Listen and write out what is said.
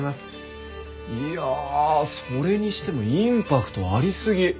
いやあそれにしてもインパクトありすぎ！